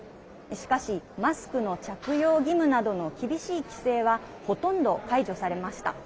しかし、マスクの着用義務などの厳しい規制はほとんど解除されました。